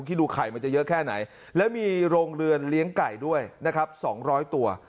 ดูไข่มันจะเยอะแค่ไหนแล้วมีโรงเรือนเลี้ยงไก่ด้วยนะครับ๒๐๐ตัว